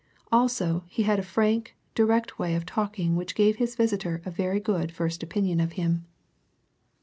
Also he had a frank, direct way of talking which gave his visitor a very good first opinion of him.